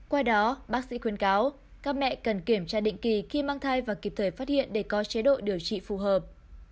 qua đó bác sĩ khuyên cáo các mẹ cần kiểm tra định kỳ khi mang thai và kịp thời phát hiện để có chế độ điều trị phù hợp